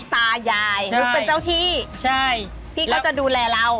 พี่ก็จะดูแลเรา